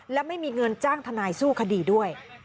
และไม่มีเงินจ้างทนายสู้คดีด้วย